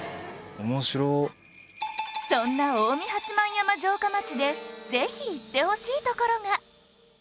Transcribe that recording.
そんな近江八幡山城下町でぜひ行ってほしいところが